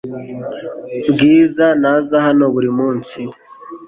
Bwiza ntaza hano buri munsi .